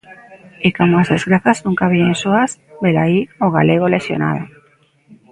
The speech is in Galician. E como as desgrazas nunca veñen soas, velaí ao galego lesionado.